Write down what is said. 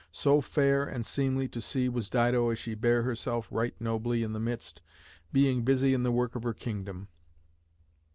So fair and seemly to see was Dido as she bare herself right nobly in the midst, being busy in the work of her kingdom.